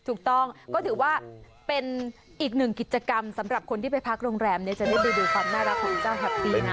ถูกต้องก็ถือว่าเป็นอีกหนึ่งกิจกรรมสำหรับคนที่ไปพักโรงแรมเนี่ยจะได้ไปดูความน่ารักของเจ้าแฮปปี้นะ